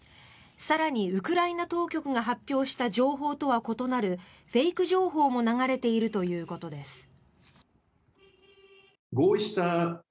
更にウクライナ当局が発表した情報とは異なるフェイク情報も流れているということです。